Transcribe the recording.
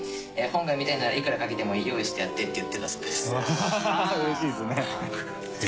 「本が読みたいならいくらかけてもいい用意してやって」って言ってたそうです。